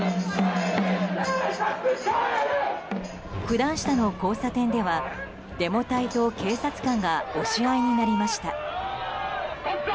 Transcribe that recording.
九段下の交差点ではデモ隊と警察官が押し合いになりました。